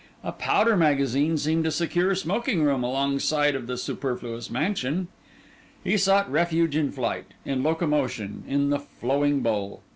A powder magazine seemed a secure smoking room alongside of the Superfluous Mansion. He sought refuge in flight, in locomotion, in the flowing bowl.